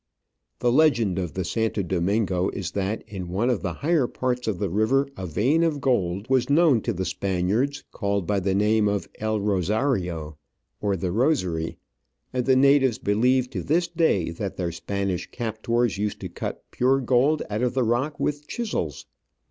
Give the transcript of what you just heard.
The legend of the Santo Domingo is that in one of the higher parts of the river a vein of gold was known to the Spaniards, called by the name of " El Rosario," or the Rosary, and the natives believe to this day that their Spanish captors used to cut pure gold out of the rock with chisels.